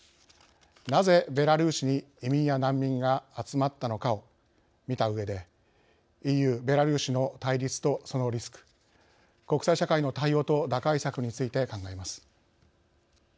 なぜベラルーシに移民や難民が集まったのかを見たうえでＥＵ・ベラルーシの対立とそのリスク国際社会の対応と打開策について考えます。